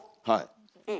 うん。